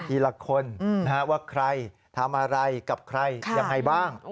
ทีละคนว่าใครทำอะไรกับใครยังไงบ้าง